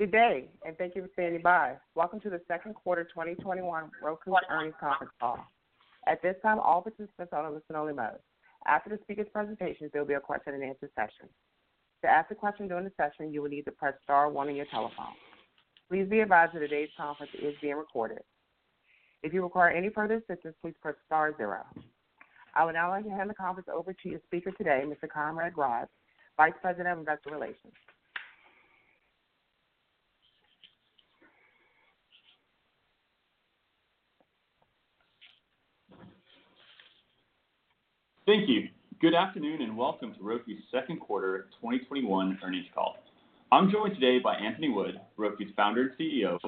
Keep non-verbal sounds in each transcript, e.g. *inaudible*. Welcome to the second quarter 2021 Roku Earnings Conference Call. At this time, all participants are in listen-only mode. After the speakers’ presentation, there will be a question-and-answer session. To ask a question during the session, you will need to press star one on your telephone. Please be advised that today’s call is being recorded. If you require any further assistance, please press star zero. I would now like to hand the conference over to your speaker today, Mr. Conrad Grodd, Vice President of Investor Relations. Thank you. Good afternoon, and welcome to Roku's second quarter 2021 earnings call. I'm joined today by Anthony Wood, Roku's founder and CEO,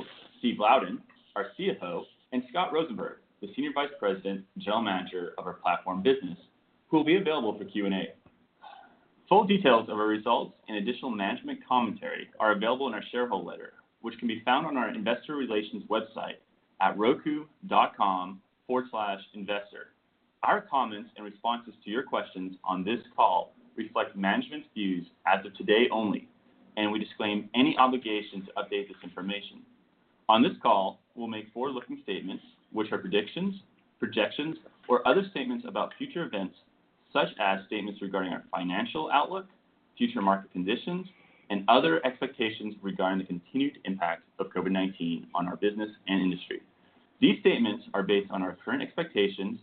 Steve Louden, our CFO, and Scott Rosenberg, the Senior Vice President and General Manager of our platform business, who will be available for Q&A. Full details of our results and additional management commentary are available in our shareholder letter, which can be found on our investor relations website at roku.com/investor. Our comments and responses to your questions on this call reflect management's views as of today only, and we disclaim any obligation to update this information. On this call, we'll make forward-looking statements which are predictions, projections, or other statements about future events, such as statements regarding our financial outlook, future market conditions, and other expectations regarding the continued impact of COVID-19 on our business and industry. These statements are based on our current expectations,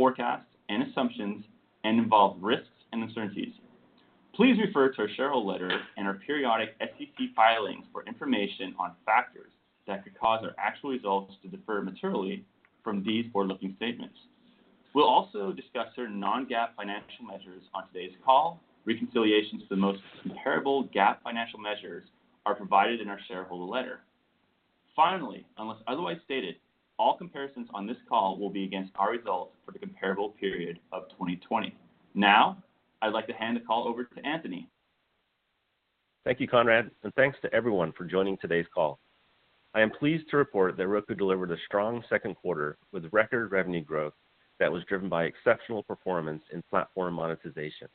forecasts, and assumptions and involve risks and uncertainties. Please refer to our shareholder letter and our periodic SEC filings for information on factors that could cause our actual results to differ materially from these forward-looking statements. We'll also discuss certain non-GAAP financial measures on today's call. Reconciliations to the most comparable GAAP financial measures are provided in our shareholder letter. Finally, unless otherwise stated, all comparisons on this call will be against our results for the comparable period of 2020. Now, I'd like to hand the call over to Anthony. Thank you, Conrad, and thanks to everyone for joining today's call. I am pleased to report that Roku delivered a strong second quarter with record revenue growth that was driven by exceptional performance in platform monetization.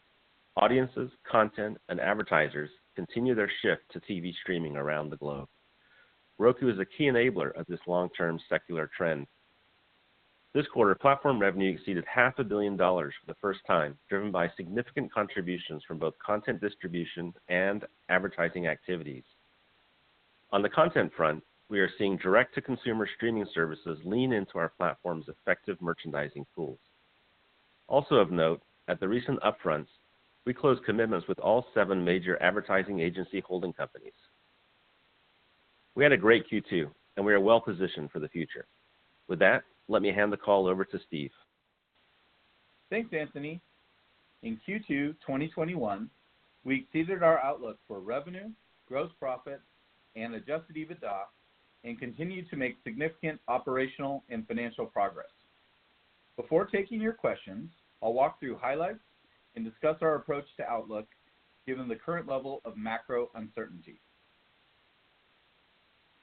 Audiences, content, and advertisers continue their shift to TV streaming around the globe. Roku is a key enabler of this long-term secular trend. This quarter, platform revenue exceeded half a billion dollars for the first time, driven by significant contributions from both content distribution and advertising activities. On the content front, we are seeing direct-to-consumer streaming services lean into our platform's effective merchandising tools. Also of note, at the recent upfront, we closed commitments with all seven major advertising agency holding companies. We had a great Q2, and we are well-positioned for the future. With that, let me hand the call over to Steve. Thanks, Anthony. In Q2 2021, we exceeded our outlook for revenue, gross profit, and adjusted EBITDA, continued to make significant operational and financial progress. Before taking your questions, I'll walk through highlights and discuss our approach to outlook given the current level of macro uncertainty.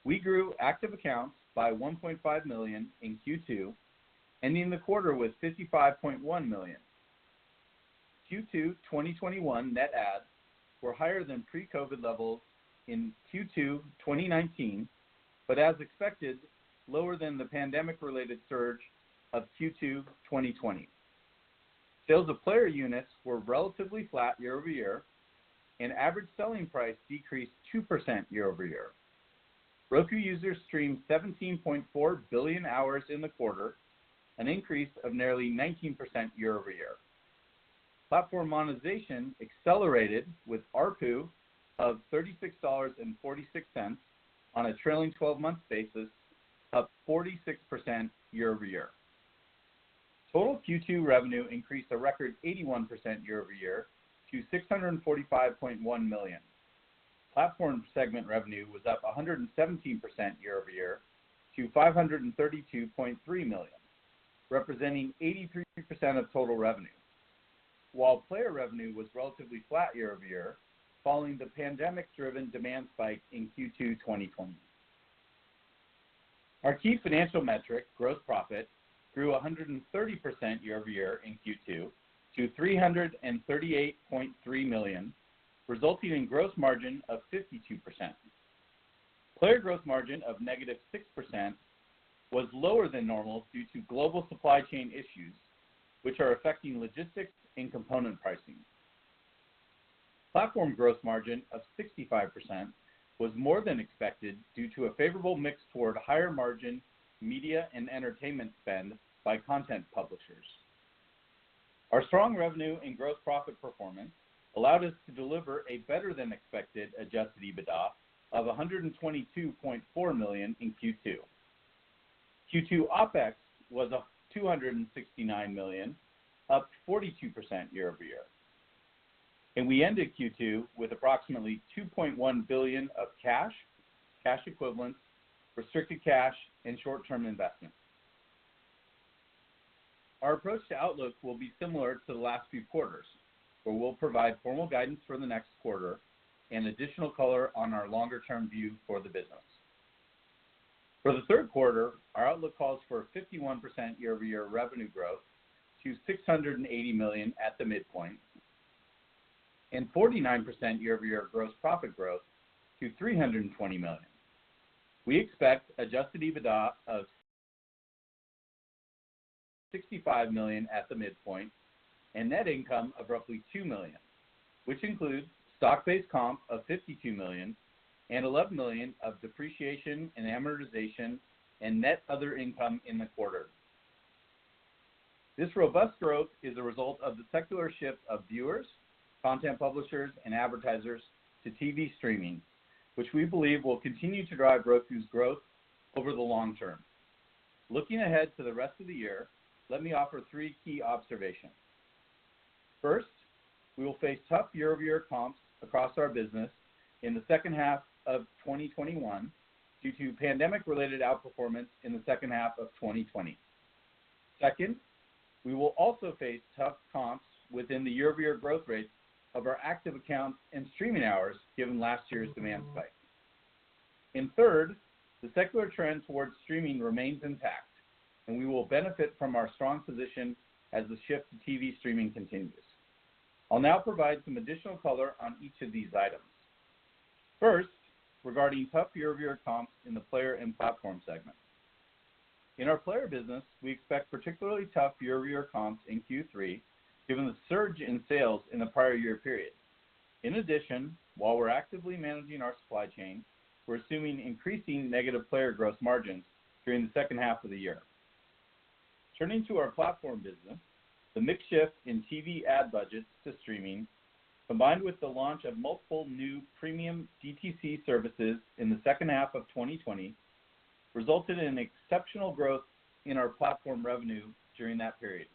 We grew active accounts by 1.5 million in Q2, ending the quarter with 55.1 million. Q2 2021 net adds were higher than pre-COVID levels in Q2 2019. As expected, lower than the pandemic-related surge of Q2 2020. Sales of player units were relatively flat year-over-year. Average selling price decreased 2% year-over-year. Roku users streamed 17.4 billion hours in the quarter, an increase of nearly 19% year-over-year. Platform monetization accelerated with ARPU of $36.46 on a trailing 12-month basis, up 46% year-over-year. Total Q2 revenue increased a record 81% year-over-year to $645.1 million. Platform segment revenue was up 117% year-over-year to $532.3 million, representing 83% of total revenue. While player revenue was relatively flat year-over-year, following the pandemic-driven demand spike in Q2 2020. Our key financial metric, gross profit, grew 130% year-over-year in Q2 to $338.3 million, resulting in gross margin of 52%. Player gross margin of -6% was lower than normal due to global supply chain issues, which are affecting logistics and component pricing. Platform gross margin of 65% was more than expected due to a favorable mix toward higher margin media and entertainment spend by content publishers. Our strong revenue and gross profit performance allowed us to deliver a better-than-expected adjusted EBITDA of $122.4 million in Q2. Q2 OPEX was $269 million, up 42% year-over-year. We ended Q2 with approximately $2.1 billion of cash equivalents, restricted cash, and short-term investments. Our approach to outlook will be similar to the last few quarters, where we'll provide formal guidance for the next quarter and additional color on our longer-term view for the business. For the third quarter, our outlook calls for 51% year-over-year revenue growth to $680 million at the midpoint, and 49% year-over-year gross profit growth to $320 million. We expect adjusted EBITDA of $65 million at the midpoint and net income of roughly $2 million, which includes stock-based comp of $52 million and $11 million of depreciation and amortization and net other income in the quarter. This robust growth is a result of the secular shift of viewers, content publishers, and advertisers to TV streaming, which we believe will continue to drive Roku's growth over the long term. Looking ahead to the rest of the year, let me offer three key observations. First, we will face tough year-over-year comps across our business in the second half of 2021 due to pandemic-related outperformance in the second half of 2020. Second, we will also face tough comps within the year-over-year growth rates of our active accounts and streaming hours given last year's demand spike. Third, the secular trend towards streaming remains intact, and we will benefit from our strong position as the shift to TV streaming continues. I'll now provide some additional color on each of these items. First, regarding tough year-over-year comps in the player and Platform Business segment. In our player business, we expect particularly tough year-over-year comps in Q3, given the surge in sales in the prior year period. In addition, while we're actively managing our supply chain, we're assuming increasing negative player gross margins during the second half of the year. Turning to our Platform Business, the mix shift in TV ad budgets to streaming, combined with the launch of multiple new premium DTC services in the second half of 2020, resulted in exceptional growth in our platform revenue during that period.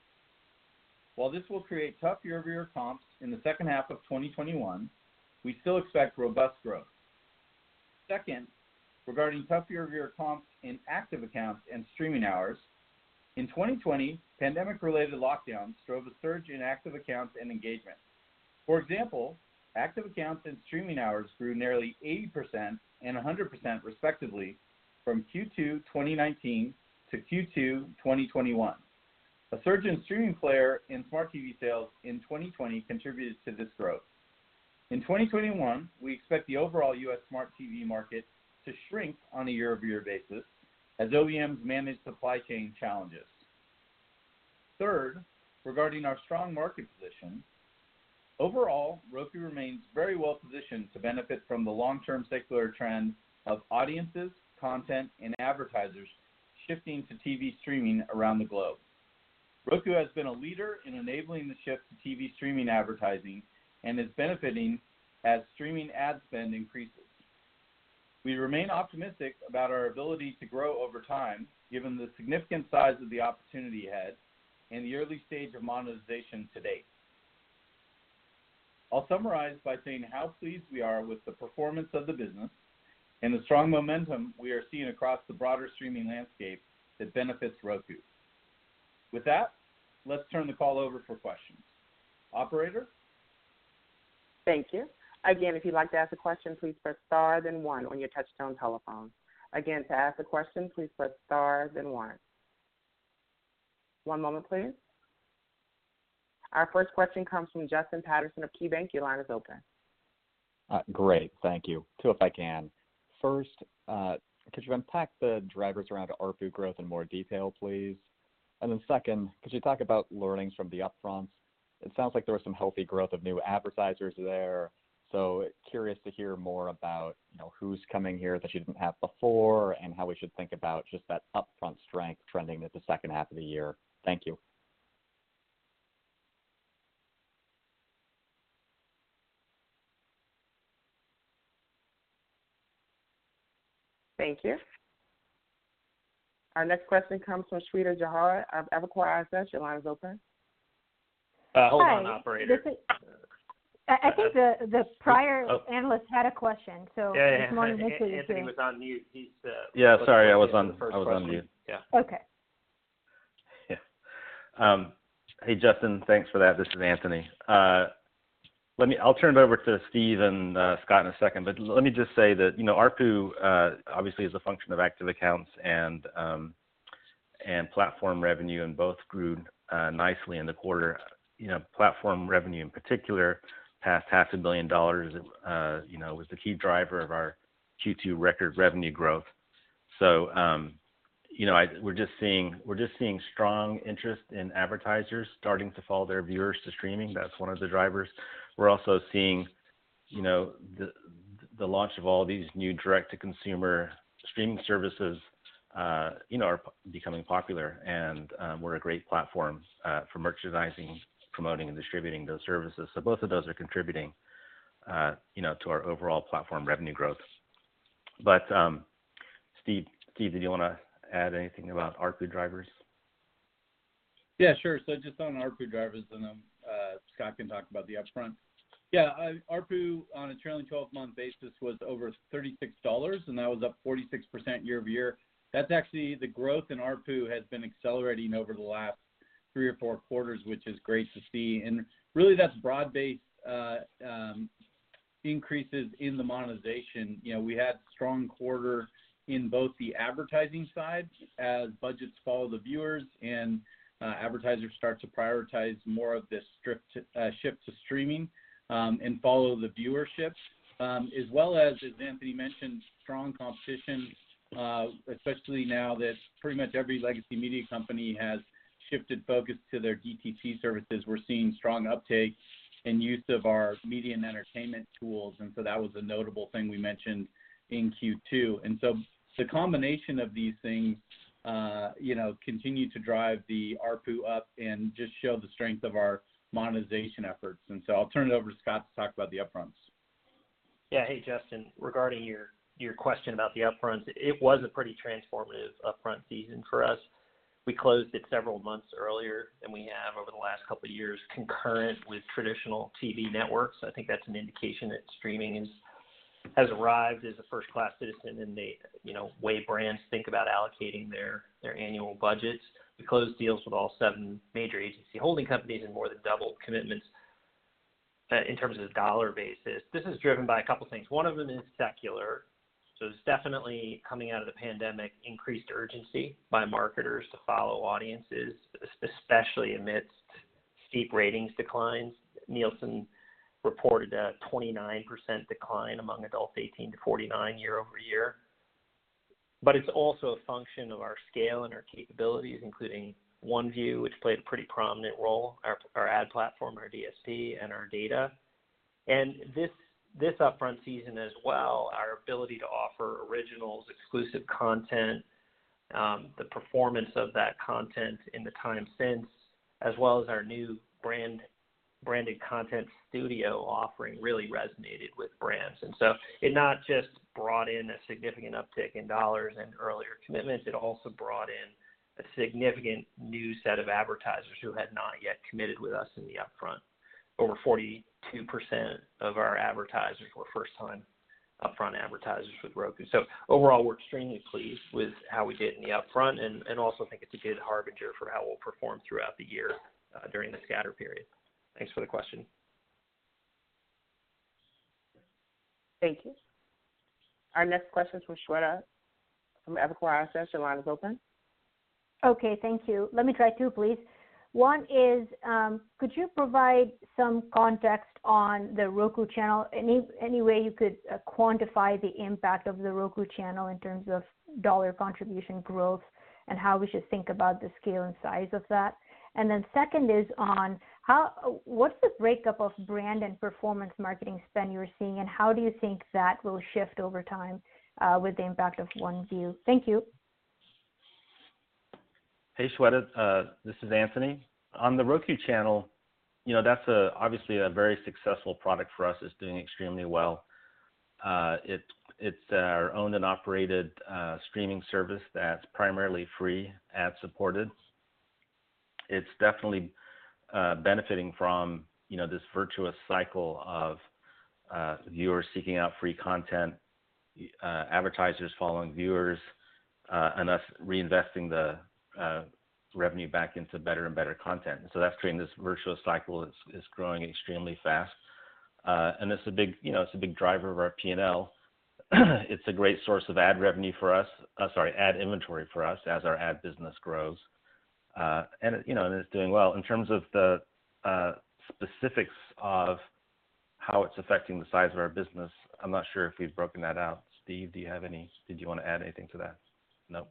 While this will create tough year-over-year comps in the second half of 2021, we still expect robust growth. Second, regarding tough year-over-year comps in active accounts and streaming hours. In 2020, pandemic-related lockdowns drove a surge in active accounts and engagement. For example, active accounts and streaming hours grew nearly 80% and 100% respectively from Q2 2019 to Q2 2021. A surge in streaming player and smart TV sales in 2020 contributed to this growth. In 2021, we expect the overall U.S. smart TV market to shrink on a year-over-year basis as OEMs manage supply chain challenges. Third, regarding our strong market position. Overall, Roku remains very well positioned to benefit from the long-term secular trend of audiences, content, and advertisers shifting to TV streaming around the globe. Roku has been a leader in enabling the shift to TV streaming advertising and is benefiting as streaming ad spend increases. We remain optimistic about our ability to grow over time, given the significant size of the opportunity ahead and the early stage of monetization to date. I'll summarize by saying how pleased we are with the performance of the business and the strong momentum we are seeing across the broader streaming landscape that benefits Roku. With that, let's turn the call over for questions. Operator? Thank you. Again, if you would like to ask a question, please press star, then one on your touchtone telephone. Again, to ask a question, please press star, then one. One moment, please. Our first question comes from Justin Patterson of KeyBanc. Your line is open. Great. Thank you. Two, if I can. First, could you unpack the drivers around ARPU growth in more detail, please? Second, could you talk about learnings from the upfront? It sounds like there was some healthy growth of new advertisers there. Curious to hear more about, you know, who's coming here that you didn't have before and how we should think about just that upfront strength trending into second half of the year. Thank you. Thank you. Our next question comes from Shweta Khajuria of Evercore ISI. Your line is open. Hold on, *crosstalk* operator. Hi. I think the prior. Oh analyst had a question. Yeah, yeah. if you want to go to him. Anthony was on mute. He's Yeah, sorry. I was. That was actually the first question. I was on mute. Yeah. Okay. Hey, Justin, thanks for that. This is Anthony. I'll turn it over to Steve and Scott in a second, but let me just say that, you know, ARPU obviously is a function of active accounts and platform revenue, and both grew nicely in the quarter. You know, platform revenue in particular passed half a billion dollars. You know, was the key driver of our Q2 record revenue growth. You know, we're just seeing strong interest in advertisers starting to follow their viewers to streaming. That's one of the drivers. We're also seeing, you know, the launch of all these new direct-to-consumer streaming services, you know, are becoming popular, and we're a great platform for merchandising, promoting, and distributing those services. Both of those are contributing, you know, to our overall platform revenue growth. Steve, did you wanna add anything about ARPU drivers? Just on ARPU drivers, then Scott can talk about the upfront. ARPU on a trailing 12-month basis was over $36, and that was up 46% year-over-year. That's actually the growth in ARPU has been accelerating over the last three or four quarters, which is great to see. Really that's broad-based increases in the monetization. You know, we had strong quarter in both the advertising side as budgets follow the viewers and advertisers start to prioritize more of the shift to streaming and follow the viewership. As well as Anthony mentioned, strong competition, especially now that pretty much every legacy media company has shifted focus to their DTC services. We're seeing strong uptake in use of our media and entertainment tools, that was a notable thing we mentioned in Q2. The combination of these things, you know, continue to drive the ARPU up and just show the strength of our monetization efforts. I'll turn it over to Scott to talk about the upfronts. Yeah. Hey, Justin. Regarding your question about the upfronts, it was a pretty transformative upfront season for us. We closed it several months earlier than we have over the last couple of years concurrent with traditional TV networks. I think that's an indication that streaming has arrived as a first-class citizen in the, you know, way brands think about allocating their annual budgets. We closed deals with all seven major agency holding companies and more than doubled commitments in terms of the dollar basis. This is driven by a couple things. One of them is secular. It's definitely coming out of the pandemic increased urgency by marketers to follow audiences, especially amidst steep ratings declines. Nielsen reported a 29% decline among adults 18 to 49 year-over-year. It's also a function of our scale and our capabilities, including OneView, which played a pretty prominent role, our ad platform, our DSP, and our data. This upfront season as well, our ability to offer originals, exclusive content, the performance of that content in the time since, as well as our new brand, branded content studio offering really resonated with brands. It not just brought in a significant uptick in dollars and earlier commitments, it also brought in a significant new set of advertisers who had not yet committed with us in the upfront. Over 42% of our advertisers were first time upfront advertisers with Roku. Overall, we're extremely pleased with how we did in the upfront and also think it's a good harbinger for how we'll perform throughout the year during the scatter period. Thanks for the question. Thank you. Our next question is from Shweta from Evercore ISI. Your line is open. Okay. Thank you. Let me try two, please. One is, could you provide some context on The Roku Channel? Any way you could quantify the impact of The Roku Channel in terms of dollar contribution growth and how we should think about the scale and size of that? Second is on what's the breakup of brand and performance marketing spend you're seeing, and how do you think that will shift over time with the impact of OneView? Thank you. Hey, Shweta. This is Anthony. On The Roku Channel, you know, that's a obviously a very successful product for us. It's doing extremely well. It's our owned and operated streaming service that's primarily free, ad-supported. It's definitely benefiting from, you know, this virtuous cycle of viewers seeking out free content, advertisers following viewers, and us reinvesting the revenue back into better and better content. That's creating this virtuous cycle that's growing extremely fast. It's a big, you know, it's a big driver of our P&L. It's a great source of ad revenue for us, sorry, ad inventory for us as our ad business grows. You know, and it's doing well. In terms of the specifics of how it's affecting the size of our business, I'm not sure if we've broken that out. Steve, did you want to add anything to that? No.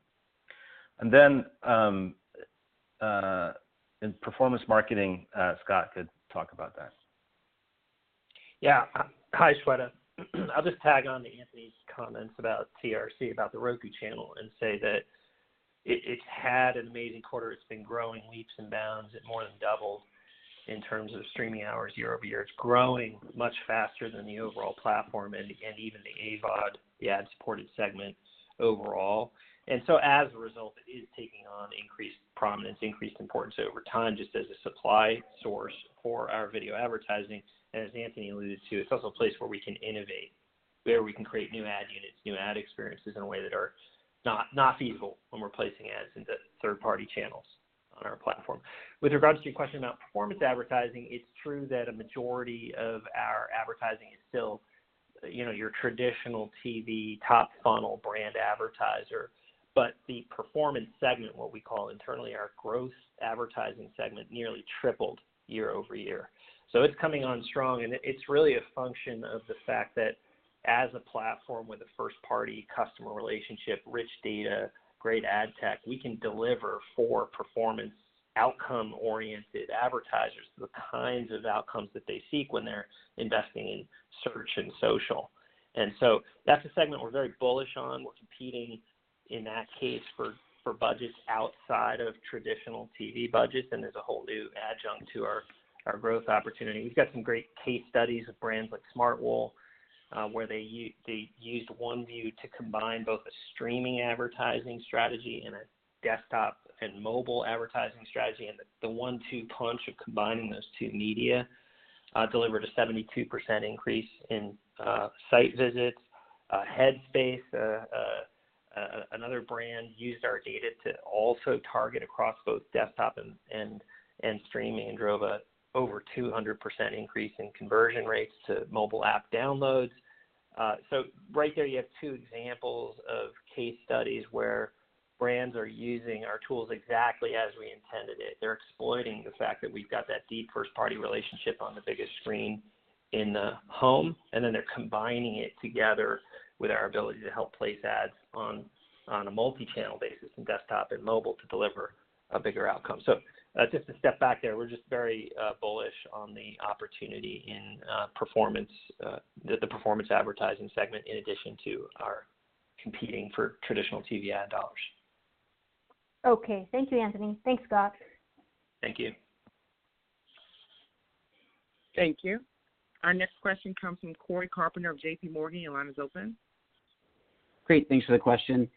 In performance marketing, Scott could talk about that. Yeah. Hi, Shweta. I'll just tag on to Anthony's comments about TRC, about The Roku Channel, and say that it's had an amazing quarter. It's been growing leaps and bounds. It more than doubled in terms of streaming hours year-over-year. It's growing much faster than the overall platform and even the AVOD, the ad-supported segments overall. As a result, it is taking on increased prominence, increased importance over time just as a supply source for our video advertising. As Anthony alluded to, it's also a place where we can innovate, where we can create new ad units, new ad experiences in a way that are not feasible when we're placing ads into third-party channels on our platform. With regards to your question about performance advertising, it's true that a majority of our advertising is still, you know, your traditional TV top funnel brand advertiser. The performance segment, what we call internally our growth advertising segment, nearly tripled year-over-year. It's coming on strong, and it's really a function of the fact that as a platform with a first-party customer relationship, rich data, great ad tech, we can deliver for performance outcome-oriented advertisers, the kinds of outcomes that they seek when they're investing in search and social. That's a segment we're very bullish on. We're competing in that case for budgets outside of traditional TV budgets, and there's a whole new adjunct to our growth opportunity. We've got some great case studies of brands like Smartwool, where they used OneView to combine both a streaming advertising strategy and a desktop and mobile advertising strategy. The one-two punch of combining those two media delivered a 72% increase in site visits. Another brand used our data to also target across both desktop and streaming and drove over 200% increase in conversion rates to mobile app downloads. Right there you have two examples of case studies where brands are using our tools exactly as we intended it. They're exploiting the fact that we've got that deep first-party relationship on the biggest screen in the home, and then they're combining it together with our ability to help place ads on a multi-channel basis in desktop and mobile to deliver a bigger outcome. Just to step back there, we're just very bullish on the opportunity in performance, the performance advertising segment in addition to our competing for traditional TV ad dollars. Okay. Thank you, Anthony. Thanks, Scott. Thank you. Thank you. Our next question comes from Cory Carpenter of JPMorgan. Your line is open. Great. Thanks for the question.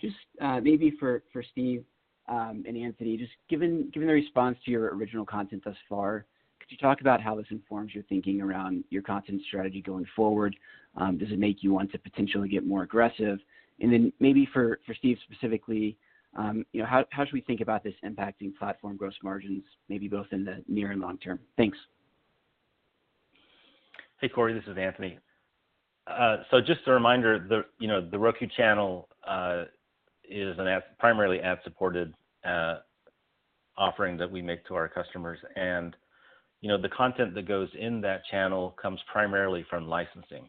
Just maybe for Steve, and Anthony, given the response to your original content thus far, could you talk about how this informs your thinking around your content strategy going forward? Does it make you want to potentially get more aggressive? Then maybe for Steve specifically, you know, how should we think about this impacting platform gross margins, maybe both in the near and long term? Thanks. Hey, Cory, this is Anthony. Just a reminder, the, you know, The Roku Channel is an ad, primarily ad-supported offering that we make to our customers and, you know, the content that goes in that channel comes primarily from licensing.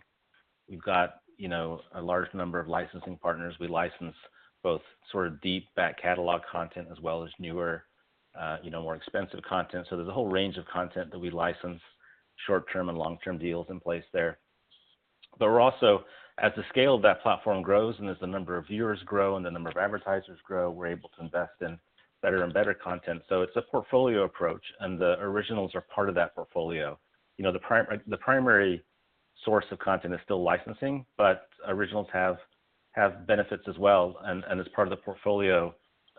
We've got, you know, a large number of licensing partners. We license both sort of deep back catalog content as well as newer, you know, more expensive content. There's a whole range of content that we license short-term and long-term deals in place there. We're also, as the scale of that platform grows, and as the number of viewers grow, and the number of advertisers grow, we're able to invest in better and better content. It's a portfolio approach, and the Roku Originals are part of that portfolio. You know, the primary source of content is still licensing, but originals have benefits as well. And as part of the portfolio,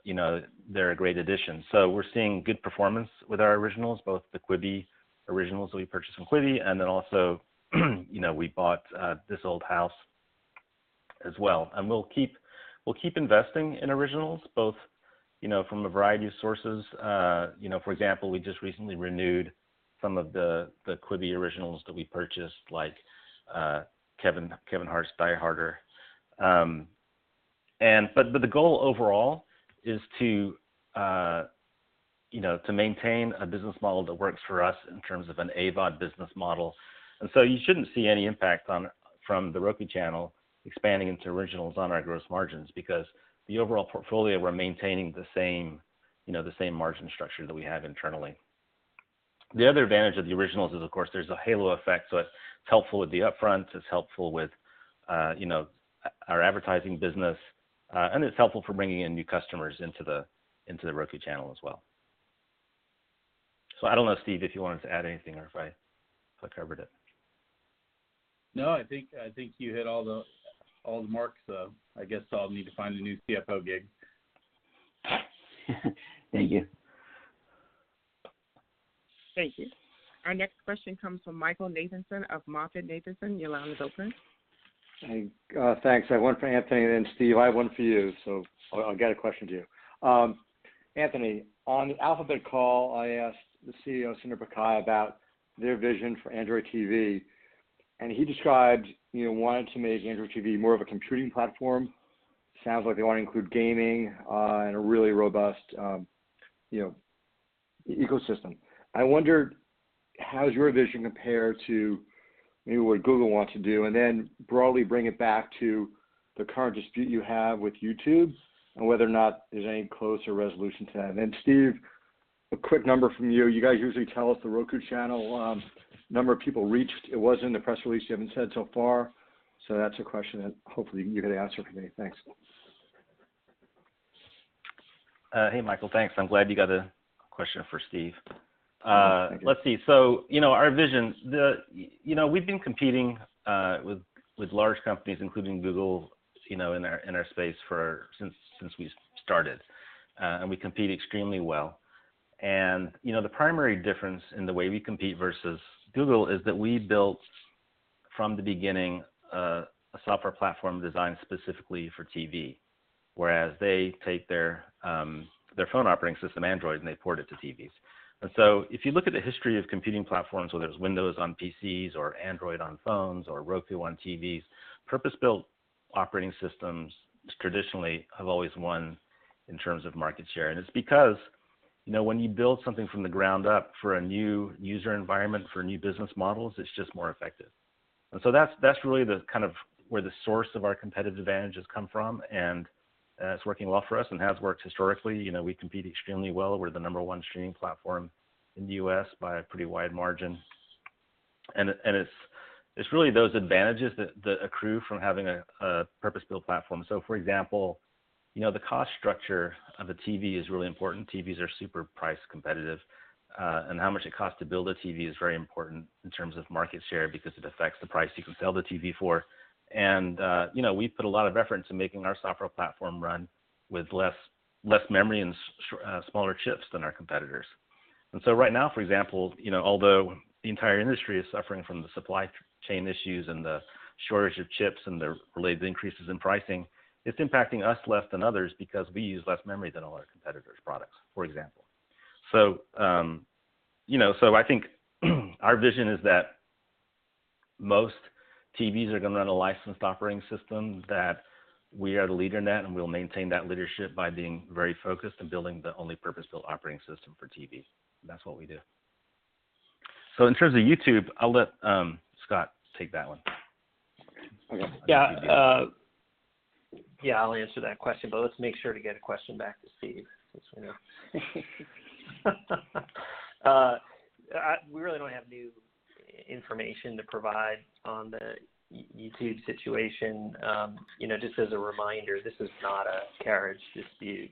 you know, they're a great addition. We're seeing good performance with our originals, both the Quibi originals that we purchased from Quibi, and then also, you know, we bought This Old House as well. And we'll keep investing in originals both, you know, from a variety of sources. For example, we just recently renewed some of the Quibi originals that we purchased, like Kevin Hart's Die Hart. But the goal overall is to, you know, to maintain a business model that works for us in terms of an AVOD business model. You shouldn't see any impact on, from The Roku Channel expanding into originals on our gross margins because the overall portfolio, we're maintaining the same, you know, the same margin structure that we have internally. The other advantage of the originals is, of course, there's a halo effect, so it's helpful with the upfront, it's helpful with, you know, our advertising business. It's helpful for bringing in new customers into The Roku Channel as well. I don't know, Steve, if you wanted to add anything or if I covered it. No, I think you hit all the marks, so I guess I'll need to find a new CFO gig. Thank you. Thank you. Our next question comes from Michael Nathanson of MoffettNathanson. Your line is open. Hey. Thanks. I have one for Anthony, and then Steve, I have one for you. I'll get a question to you. Anthony, on the Alphabet call, I asked the CEO, Sundar Pichai, about their vision for Android TV, and he described, you know, wanting to make Android TV more of a computing platform. Sounds like they want to include gaming and a really robust, you know, e-ecosystem. I wonder how does your vision compare to maybe what Google wants to do? Broadly bring it back to the current dispute you have with YouTube and whether or not there's any closer resolution to that. Steve, a quick number from you. You guys usually tell us The Roku Channel number of people reached. It wasn't in the press release. You haven't said so far. That's a question that hopefully you can answer today. Thanks. hey, Michael. Thanks. I'm glad you got a question for Steve. Yes. Thank you. Let's see. You know, our vision, you know, we've been competing with large companies, including Google, you know, in our space for since we started. We compete extremely well. You know, the primary difference in the way we compete versus Google is that we built from the beginning a software platform designed specifically for TV. Whereas they take their phone operating system, Android, and they port it to TVs. If you look at the history of computing platforms, whether it's Windows on PCs or Android on phones, or Roku on TVs, purpose-built operating systems have always won in terms of market share. It's because, you know, when you build something from the ground up for a new user environment, for new business models, it's just more effective. That's really the kind of where the source of our competitive advantage has come from, it's working well for us and has worked historically. You know, we compete extremely well. We're the number one streaming platform in the U.S. by a pretty wide margin. It's really those advantages that accrue from having a purpose-built platform. For example, you know, the cost structure of a TV is really important. TVs are super price competitive, and how much it costs to build a TV is very important in terms of market share because it affects the price you can sell the TV for. You know, we've put a lot of reference in making our software platform run with less memory and smaller chips than our competitors. Right now, for example, you know, although the entire industry is suffering from the supply chain issues and the shortage of chips and the related increases in pricing, it's impacting us less than others because we use less memory than all our competitors' products, for example. You know, I think our vision is that most TVs are gonna run a licensed operating system, that we are the leader in that and we'll maintain that leadership by being very focused in building the only purpose-built operating system for TVs. That's what we do. In terms of YouTube, I'll let Scott take that one. I'll answer that question, but let's make sure to get a question back to Steve, since we know. We really don't have new information to provide on the YouTube situation. You know, just as a reminder, this is not a carriage dispute.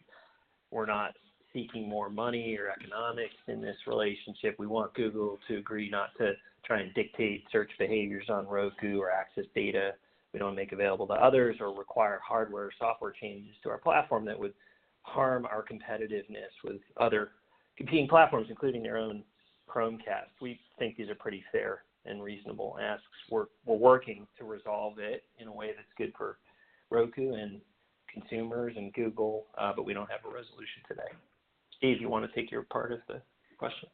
We're not seeking more money or economics in this relationship. We want Google to agree not to try and dictate search behaviors on Roku or access data we don't make available to others or require hardware or software changes to our platform that would harm our competitiveness with other competing platforms, including their own Chromecast. We think these are pretty fair and reasonable asks. We're working to resolve it in a way that's good for Roku and consumers and Google, but we don't have a resolution today. Steve, you wanna take your part of the question?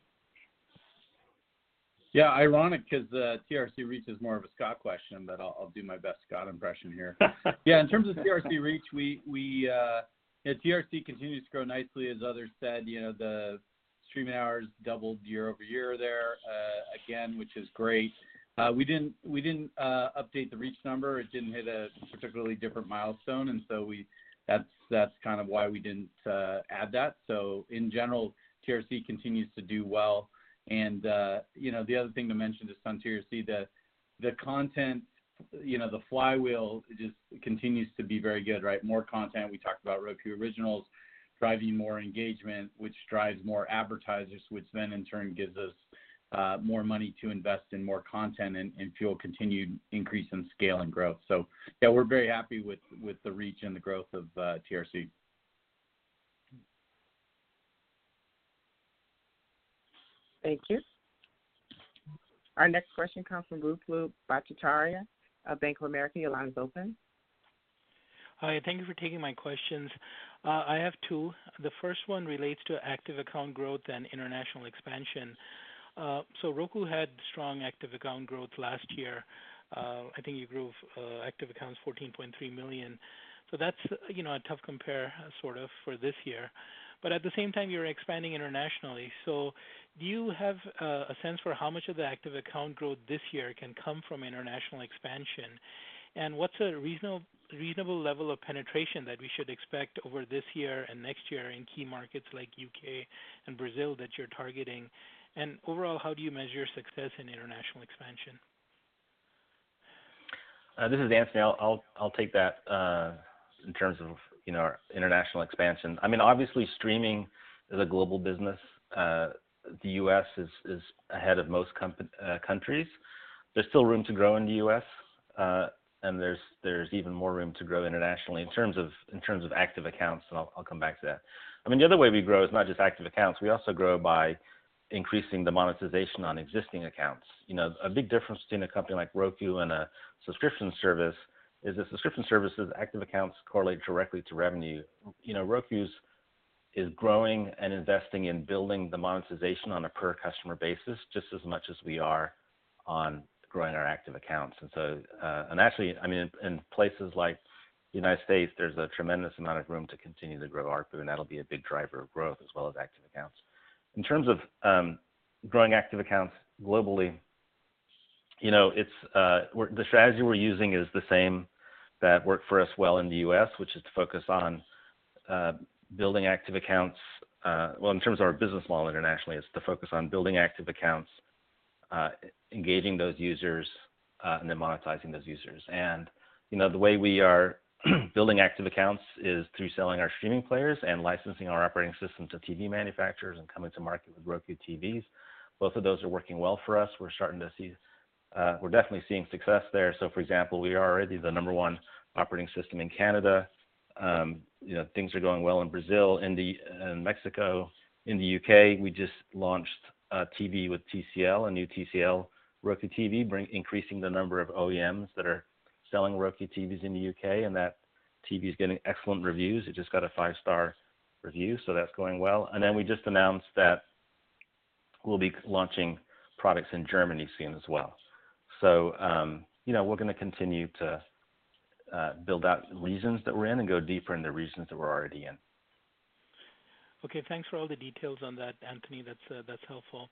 Ironic 'cause TRC reach is more of a Scott question, but I'll do my best Scott impression here. In terms of TRC reach, TRC continues to grow nicely. As others said, you know, the streaming hours doubled year-over-year there again, which is great. We didn't update the reach number. It didn't hit a particularly different milestone, that's kind of why we didn't add that. In general, TRC continues to do well. The other thing to mention just on TRC, the content, you know, the flywheel just continues to be very good, right? More content, we talked about Roku Originals driving more engagement, which drives more advertisers, which then in turn gives us more money to invest in more content and fuel continued increase in scale and growth. Yeah, we're very happy with the reach and the growth of TRC. Thank you. Our next question comes from Ruplu Bhattacharya of Bank of America. Your line is open. Hi. Thank you for taking my questions. I have two. The first one relates to active account growth and international expansion. Roku had strong active account growth last year. I think you grew active accounts 14.3 million. That's, you know, a tough compare, sort of, for this year. At the same time, you're expanding internationally. Do you have a sense for how much of the active account growth this year can come from international expansion? What's a reasonable level of penetration that we should expect over this year and next year in key markets like U.K., and Brazil that you're targeting? Overall, how do you measure success in international expansion? This is Anthony. I'll take that in terms of, you know, our international expansion. I mean, obviously streaming is a global business. The U.S. is ahead of most countries. There's still room to grow in the U.S., and there's even more room to grow internationally in terms of active accounts, and I'll come back to that. I mean, the other way we grow is not just active accounts. We also grow by increasing the monetization on existing accounts. You know, a big difference between a company like Roku and a subscription service is that subscription services' active accounts correlate directly to revenue. You know, Roku's is growing and investing in building the monetization on a per-customer basis just as much as we are on growing our active accounts. Actually, I mean, in places like the U.S., there's a tremendous amount of room to continue to grow ARPU, and that'll be a big driver of growth as well as active accounts. In terms of growing active accounts globally, you know, it's the strategy we're using is the same that worked for us well in the U.S., which is to focus on building active accounts. Well, in terms of our business model internationally is to focus on building active accounts, engaging those users, and then monetizing those users. You know, the way we are building active accounts is through selling our streaming players and licensing our operating system to TV manufacturers and coming to market with Roku TVs. Both of those are working well for us. We're starting to see, we're definitely seeing success there. For example, we are already the number one operating system in Canada. You know, things are going well in Brazil, India, and Mexico. In the U.K., we just launched a TV with TCL, a new TCL Roku TV, increasing the number of OEMs that are selling Roku TVs in the U.K.,That TV is getting excellent reviews. It just got a five-star review, so that's going well. We just announced that we'll be launching products in Germany soon as well. You know, we're gonna continue to build out regions that we're in and go deeper in the regions that we're already in. Okay. Thanks for all the details on that, Anthony. That's, that's helpful.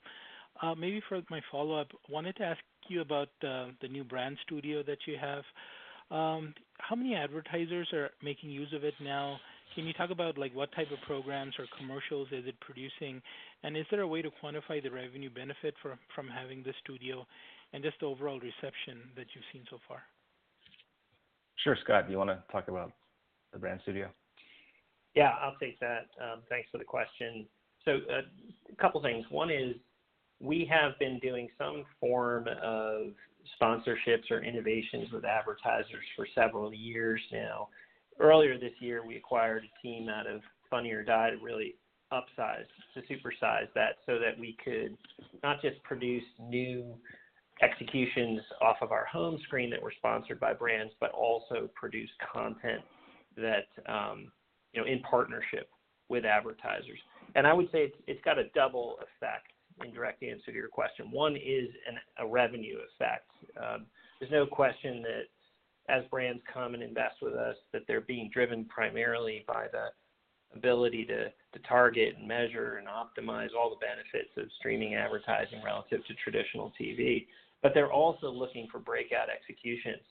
Maybe for my follow-up, wanted to ask you about the new brand studio that you have. How many advertisers are making use of it now? Can you talk about, like, what type of programs or commercials is it producing? Is there a way to quantify the revenue benefit from having the studio and just the overall reception that you've seen so far? Sure. Scott, do you want to talk about the brand studio? Yeah, I'll take that. Thanks for the question. A couple things. One is, we have been doing some form of sponsorships or innovations with advertisers for several years now. Earlier this year, we acquired a team out of Funny or Die to really upsize, to supersize that so that we could not just produce new executions off of our home screen that were sponsored by brands, but also produce content that, you know, in partnership with advertisers. I would say it's got a double effect, in direct answer to your question. One is a revenue effect. There's no question that as brands come and invest with us, that they're being driven primarily by the ability to target and measure and optimize all the benefits of streaming advertising relative to traditional TV. They're also looking for breakout executions.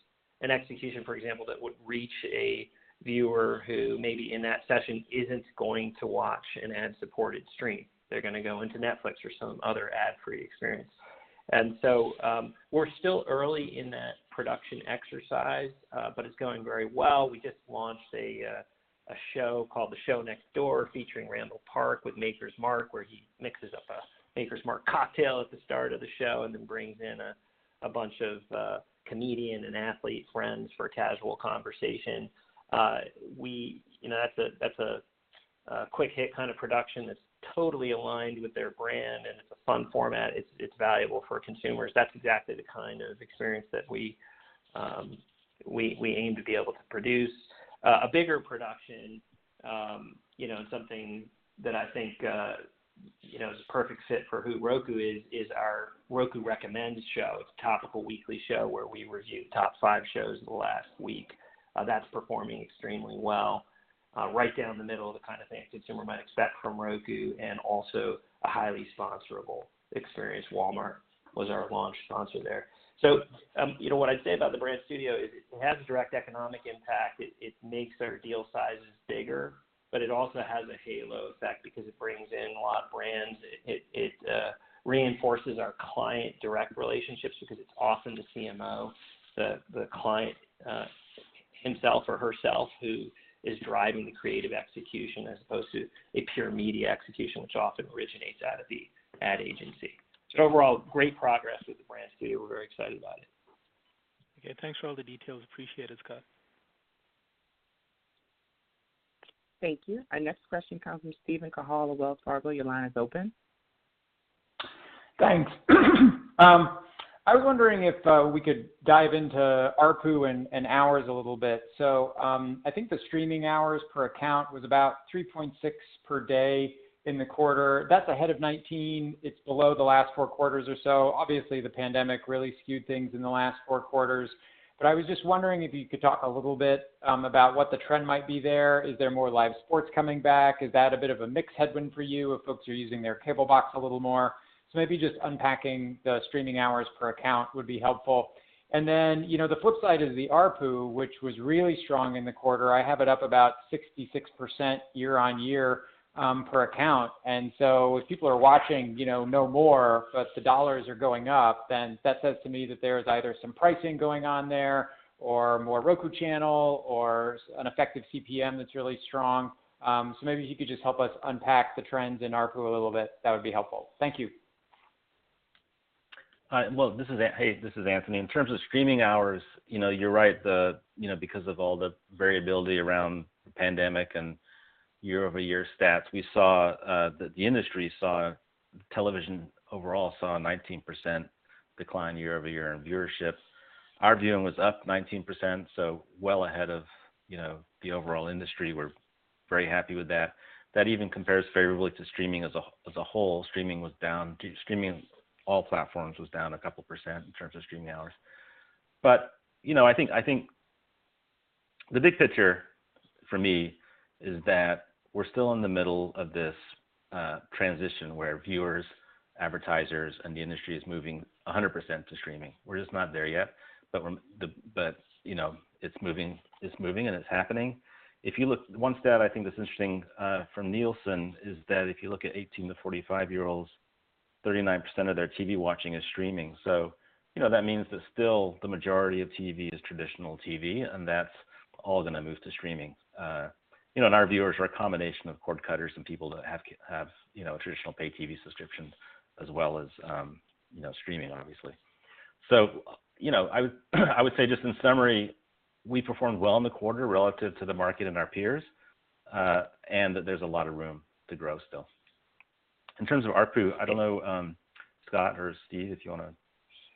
An execution, for example, that would reach a viewer who maybe in that session isn't going to watch an ad-supported stream. They're gonna go into Netflix or some other ad-free experience. We're still early in that production exercise, but it's going very well. We just launched a show called The Show Next Door featuring Randall Park with Maker's Mark, where he mixes up a Maker's Mark cocktail at the start of the show and then brings in a bunch of comedian and athlete friends for a casual conversation. You know, that's a quick-hit kind of production that's totally aligned with their brand, and it's a fun format. It's valuable for consumers. That's exactly the kind of experience that we aim to be able to produce. A bigger production, you know, and something that I think, you know, is a perfect fit for who Roku is our Roku Recommends show. It's a topical weekly show where we review top five shows of the last week. That's performing extremely well. Right down the middle of the kind of thing a consumer might expect from Roku, and also a highly sponsorable experience. Walmart was our launch sponsor there. You know, what I'd say about the brand studio is it has a direct economic impact. It makes our deal sizes bigger, but it also has a halo effect because it brings in a lot of brands. It reinforces our client direct relationships because it's often the CMO, the client himself or herself who is driving the creative execution as opposed to a pure media execution, which often originates out of the ad agency. Overall, great progress with the brand studio. We're very excited about it. Okay. Thanks for all the details. Appreciate it, Scott. Thank you. Our next question comes from Steven Cahall of Wells Fargo. Your line is open. Thanks. I was wondering if we could dive into ARPU and hours a little bit. I think the streaming hours per account was about 3.6 per day in the quarter. That's ahead of 2019. It's below the last four quarters or so. Obviously, the pandemic really skewed things in the last four quarters. I was just wondering if you could talk a little bit about what the trend might be there. Is there more live sports coming back? Is that a bit of a mixed headwind for you if folks are using their cable box a little more? Maybe just unpacking the streaming hours per account would be helpful. You know, the flip side is the ARPU, which was really strong in the quarter. I have it up about 66% year-over-year per account. If people are watching, you know, no more, but the dollars are going up, then that says to me that there is either some pricing going on there or more The Roku Channel or an effective CPM that's really strong. So maybe if you could just help us unpack the trends in ARPU a little bit, that would be helpful. Thank you. This is hey, this is Anthony. In terms of streaming hours, you know, you're right. The, you know, because of all the variability around the pandemic and year-over-year stats, we saw the industry saw, television overall saw a 19% decline year-over-year in viewership. Our viewing was up 19%, well ahead of, you know, the overall industry. We're very happy with that. That even compares favorably to streaming as a whole. Streaming, all platforms was down 2% in terms of streaming hours. You know, I think the big picture for me is that we're still in the middle of this transition where viewers, advertisers, and the industry is moving 100% to streaming. We're just not there yet, but, you know, it's moving and it's happening. One stat I think that's interesting from Nielsen is that if you look at 18 to 35-year-olds, 39% of their TV watching is streaming. You know, that means that still the majority of TV is traditional TV, and that's all gonna move to streaming. You know, and our viewers are a combination of cord cutters and people that have, you know, traditional paid TV subscriptions as well as, you know, streaming obviously. You know, I would say just in summary, we performed well in the quarter relative to the market and our peers, and that there's a lot of room to grow still. In terms of ARPU, I don't know, Scott or Steve, if you wanna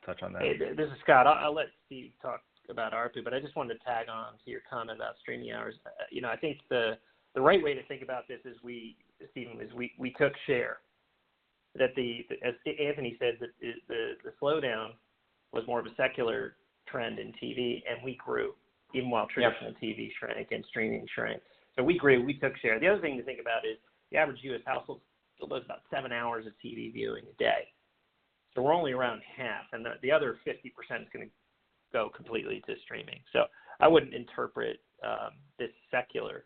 touch on that. Hey, this is Scott. I'll let Steve talk about ARPU, but I just wanted to tag on to your comment about streaming hours. you know, I think the right way to think about this is we, Steven, is we took share. That as Anthony said, the slowdown was more of a secular trend in TV, and we grew even while- Yeah traditional TV shrank and streaming shrank. We grew. We took share. The other thing to think about is the average U.S. household still does about seven hours of TV viewing a day. We're only around half, and the other 50% is gonna go completely to streaming. I wouldn't interpret this secular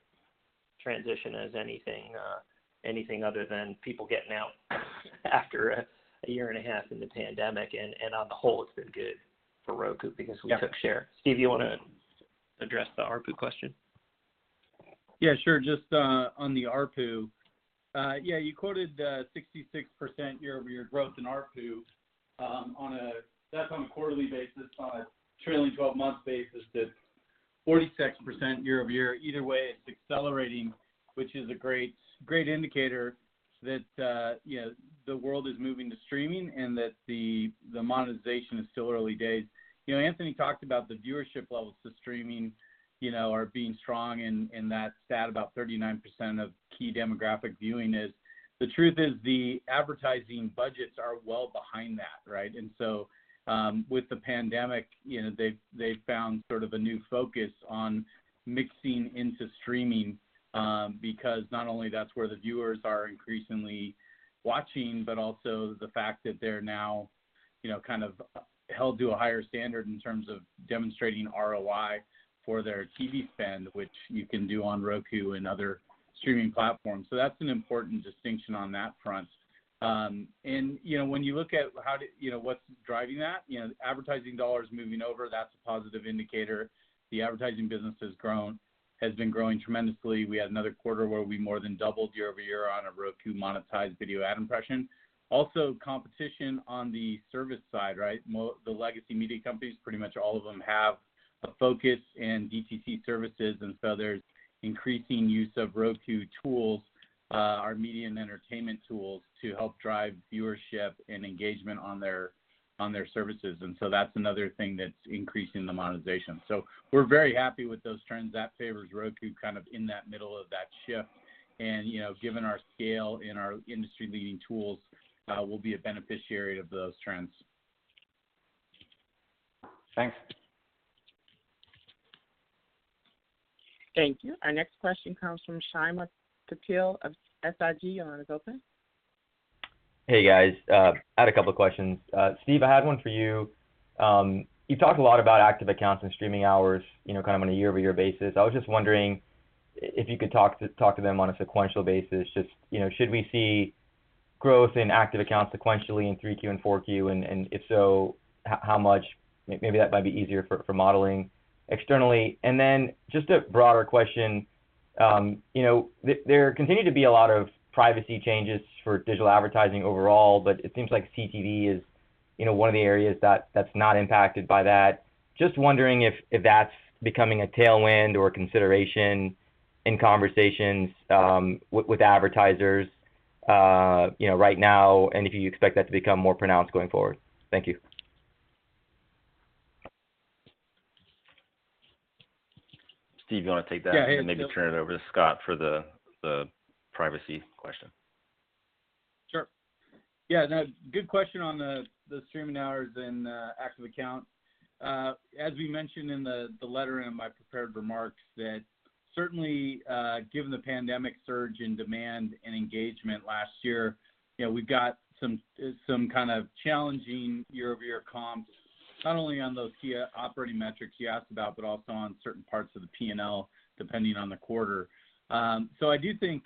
transition as anything other than people getting out after a year and a half in the pandemic. On the whole, it's been good for Roku. Yeah we took share. Steve, you wanna address the ARPU question? Yeah, sure. Just on the ARPU. Yeah, you quoted 66% year-over-year growth in ARPU. That's on a quarterly basis. On a trailing 12-month basis that 46% year-over-year. Either way, it's accelerating, which is a great indicator that, you know, the world is moving to streaming and that the monetization is still early days. You know, Anthony talked about the viewership levels to streaming, you know, are being strong and that's at about 39% of key demographic viewing is. The truth is the advertising budgets are well behind that, right? With the pandemic, they found sort of a new focus on mixing into streaming, because not only that's where the viewers are increasingly watching, but also the fact that they're now held to a higher standard in terms of demonstrating ROI for their TV spend, which you can do on Roku and other streaming platforms. That's an important distinction on that front. When you look at what's driving that, advertising dollars moving over, that's a positive indicator. The advertising business has grown. Has been growing tremendously. We had another quarter where we more than doubled year-over-year on a Roku monetized video ad impression. Also, competition on the service side, right? The legacy media companies, pretty much all of them have a focus in DTC services, there's increasing use of Roku tools, our media and entertainment tools, to help drive viewership and engagement on their services. That's another thing that's increasing the monetization. We're very happy with those trends. That favors Roku kind of in that middle of that shift. You know, given our scale and our industry-leading tools, we'll be a beneficiary of those trends. Thanks. Thank you. Our next question comes from Shyam Patil of SIG. Your line is open. Hey, guys. I had a couple questions. Steve, I had one for you. You talked a lot about active accounts and streaming hours, you know, kind of on a year-over-year basis. I was just wondering if you could talk to them on a sequential basis. Just, you know, should we see growth in active accounts sequentially in 3Q and 4Q? If so, how much? Maybe that might be easier for modeling externally. Just a broader question. You know, there continue to be a lot of privacy changes for digital advertising overall, but it seems like CTV is, you know, one of the areas that's not impacted by that. Just wondering if that's becoming a tailwind or a consideration in conversations, with advertisers, you know, right now, and if you expect that to become more pronounced going forward. Thank you. Steve, you wanna take that? Yeah, I can take this. Maybe turn it over to Scott for the privacy question. Sure. Yeah, no, good question on the streaming hours and active accounts. As we mentioned in the letter and my prepared remarks that certainly, given the pandemic surge in demand and engagement last year, you know, we've got some kind of challenging year-over-year comps, not only on those key operating metrics you asked about, but also on certain parts of the P&L, depending on the quarter. I do think,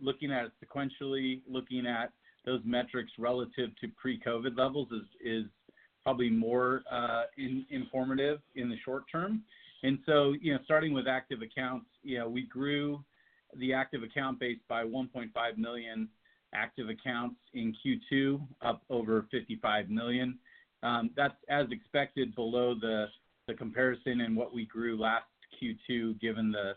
looking at it sequentially, looking at those metrics relative to pre-COVID levels is probably more informative in the short term. You know, starting with active accounts, you know, we grew the active account base by 1.5 million active accounts in Q2, up over 55 million. That's as expected below the comparison in what we grew last Q2 given the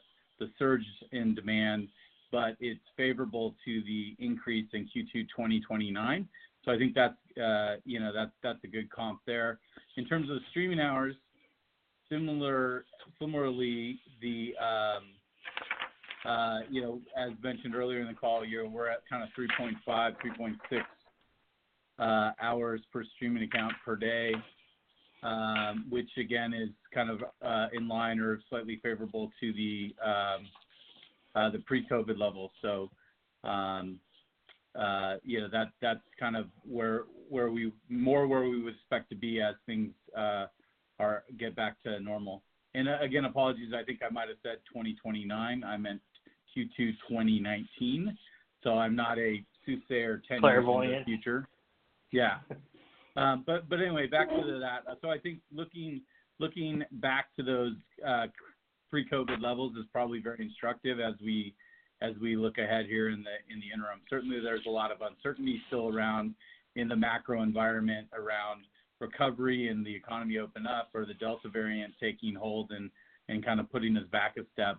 surge in demand, but it's favorable to the increase in Q2 2029. I think that's, you know, that's a good comp there. In terms of streaming hours, similarly, you know, as mentioned earlier in the call year, we're at 3.5 hours, 3.6 hours per streaming account per day, which again is kind of in line or slightly favorable to the pre-COVID levels. You know, that's kind of where we more where we would expect to be as things get back to normal. Again, apologies, I think I might have said 2029. I meant Q2 2019. I'm not a soothsayer. Clairvoyant. the future. Yeah. Anyway, back to that. I think looking back to those pre-COVID levels is probably very instructive as we look ahead here in the interim. Certainly, there's a lot of uncertainty still around in the macro environment around recovery and the economy open up or the Delta variant taking hold and kind of putting us back a step.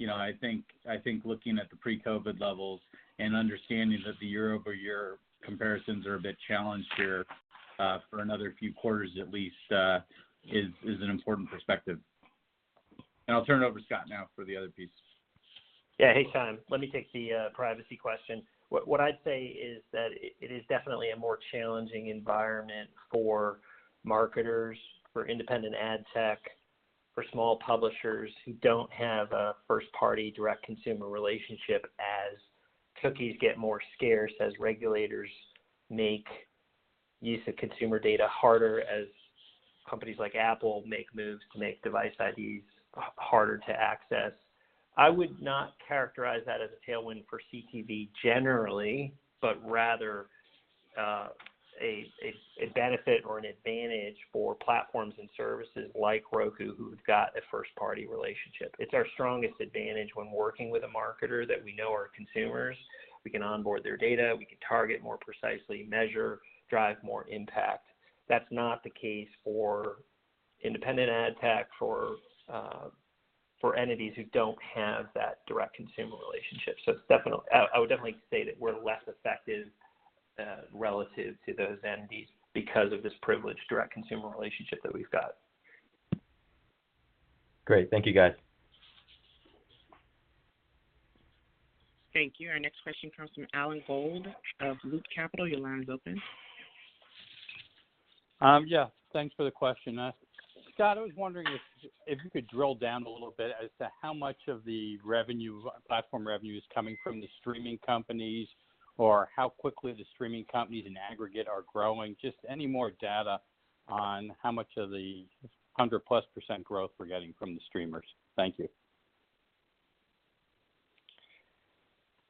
You know, I think looking at the pre-COVID levels and understanding that the year-over-year comparisons are a bit challenged here for another few quarters at least is an important perspective. I'll turn it over to Scott now for the other piece. Hey, Shyam. Let me take the privacy question. I'd say is that it is definitely a more challenging environment for marketers, for independent ad tech, for small publishers who don't have a first-party direct consumer relationship as cookies get more scarce, as regulators make use of consumer data harder, as companies like Apple make moves to make device IDs harder to access. I would not characterize that as a tailwind for CTV generally, but rather a benefit or an advantage for platforms and services like Roku, who's got a first-party relationship. It's our strongest advantage when working with a marketer that we know are consumers. We can onboard their data, we can target more precisely, measure, drive more impact. That's not the case for independent ad tech for entities who don't have that direct consumer relationship. I would definitely say that we're less effective relative to those entities because of this privileged direct consumer relationship that we've got. Great. Thank you, guys. Thank you. Our next question comes from Alan Gould of Loop Capital. Your line is open. Yeah. Thanks for the question. Scott, I was wondering if you could drill down a little bit as to how much of the revenue, platform revenue is coming from the streaming companies or how quickly the streaming companies in aggregate are growing. Just any more data on how much of the 100+% growth we're getting from the streamers. Thank you.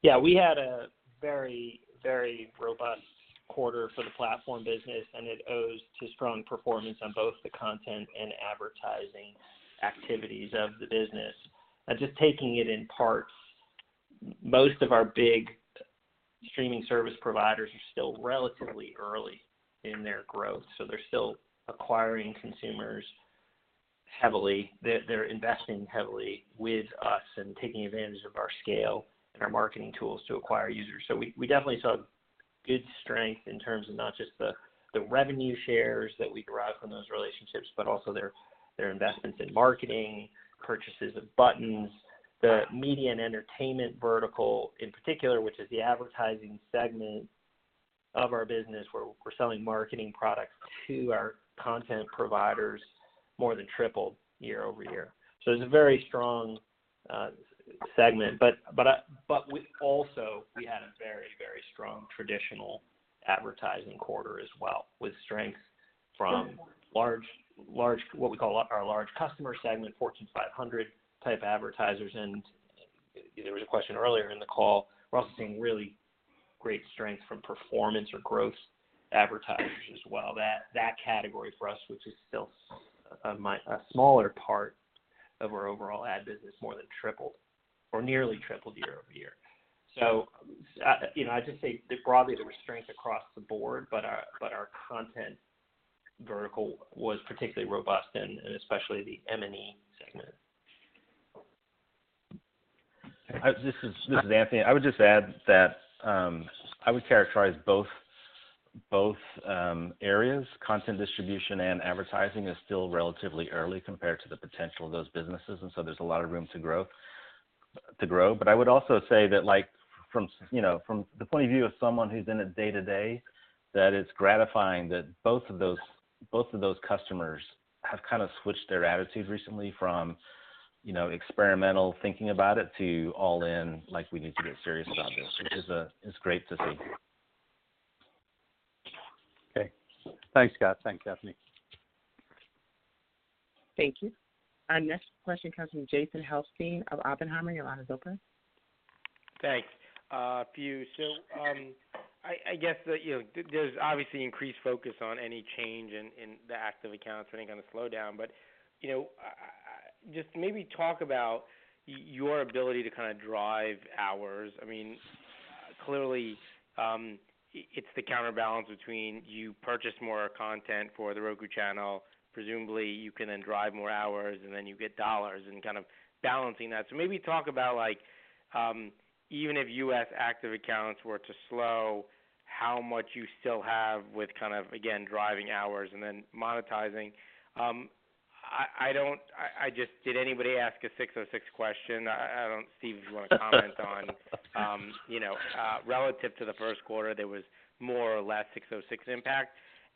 Yeah. We had a very, very robust quarter for the platform business, and it owes to strong performance on both the content and advertising activities of the business. Just taking it in parts, most of our big streaming service providers are still relatively early in their growth, they're still acquiring consumers heavily. They're investing heavily with us and taking advantage of our scale and our marketing tools to acquire users. We definitely saw good strength in terms of not just the revenue shares that we derive from those relationships, but also their investments in marketing, purchases of buttons. The media and entertainment vertical in particular, which is the advertising segment of our business where we're selling marketing products to our content providers, more than tripled year-over-year. It's a very strong segment. We also, we had a very, very strong traditional advertising quarter as well, with strength from large what we call our large customer segment, Fortune 500 type advertisers. There was a question earlier in the call, we're also seeing really great strength from performance or growth advertisers as well. That category for us, which is still a smaller part of our overall ad business, more than tripled or nearly tripled year over year. You know, I'd just say that broadly there was strength across the board, but our content vertical was particularly robust in especially the M&E segment. This is Anthony. I would just add that I would characterize both areas, content distribution and advertising, as still relatively early compared to the potential of those businesses. There's a lot of room to grow. I would also say that, like, you know, from the point of view of someone who's in it day to day, that it's gratifying that both of those customers have kind of switched their attitudes recently from, you know, experimental thinking about it to all in, like we need to get serious about this. Which is great to see. Okay. Thanks, Scott. Thanks, Anthony. Thank you. Our next question comes from Jason Helfstein of Oppenheimer. Thanks, a few. I guess that, you know, there's obviously increased focus on any change in the active accounts or any kind of slowdown. You know, just maybe talk about your ability to kind of drive hours. I mean, clearly, it's the counterbalance between you purchase more content for The Roku Channel, presumably you can then drive more hours, and then you get dollars and kind of balancing that. Maybe talk about like, even if U.S. active accounts were to slow, how much you still have with kind of, again, driving hours and then monetizing. I don't I just did anybody ask a 606 question? Steve, do you want to comment on, you know, relative to the first quarter, there was more or less 606 impact?